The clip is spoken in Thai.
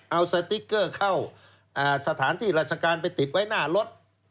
เอาสติ๊กเกอร์เข้าสถานที่ราชการไปติดไว้หน้ารถ